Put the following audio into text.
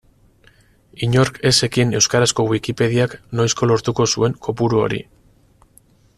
Inork ez zekien euskarazko Wikipediak noizko lortuko zuen kopuru hori.